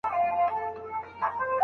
پسرلی به ټول طبیعي رنګونه راوړي.